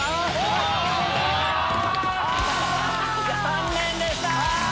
残念でした！